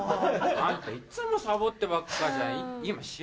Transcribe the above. あんたいっつもサボってばっかじゃん。